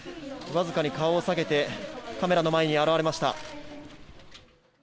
わずかに顔を下げてカメラの前に現れました。